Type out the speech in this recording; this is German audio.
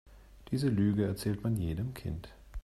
Diese Lüge erzählt man jedem Kind.